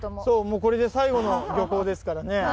そうもうこれで最後の漁港ですからね。